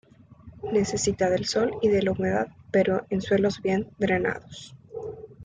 Necesita del sol y de la humedad pero en suelos bien drenados.